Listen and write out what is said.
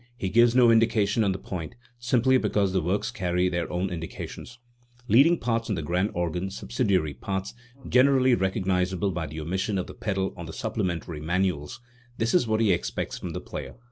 He gives no indications on the point, simply because the works carry their own indications. Leading parts on the grand organ, subsidiary parts, (generally recognisable by the omission of the pedal) on the supplementary manuals, this is what he expects from the player.